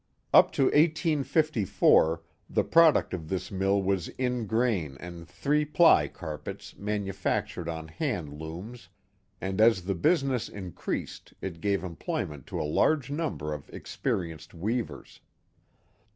Up to 1854 the product of this mill was ingrain and three ply carpets manufactured on hand loom?, and as the business increased it gave employment to a large number of experienced weavers.